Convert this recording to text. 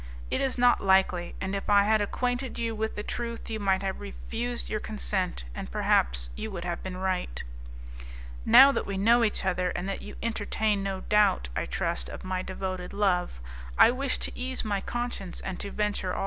It is not likely, and if I had acquainted you with the truth, you might have refused your consent, and perhaps you would have been right. "Now that we know each other, and that you entertain no doubt, I trust, of my devoted love, I wish to ease my conscience and to venture all.